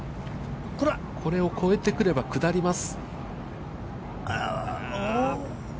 これを越えてくれば、下ります。